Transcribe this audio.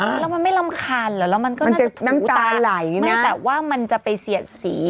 แล้วมันไม่รำคาญเหรอแล้วมันก็น่าจะน้ำตาไหลนะแต่ว่ามันจะไปเสียดสี